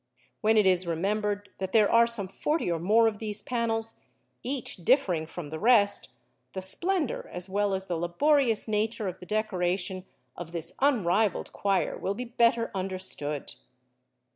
When it is remembered that there are some forty or more of these panels, each differing from the rest, the splendour as well as the laborious nature of the decoration of this unrivalled choir will be better understood.